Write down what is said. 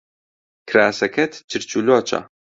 کراسەکەت چرچ و لۆچە.